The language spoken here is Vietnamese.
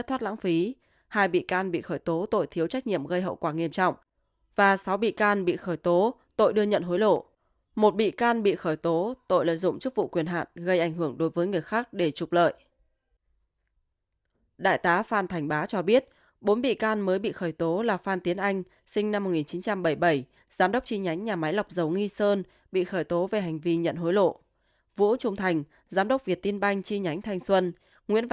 các bạn hãy đăng ký kênh để ủng hộ kênh của chúng mình nhé